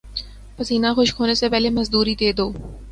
پسینہ خشک ہونے سے پہلے مزدوری دے دو